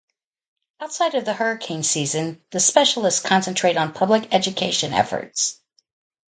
Outside of the hurricane season, the specialists concentrate on public education efforts.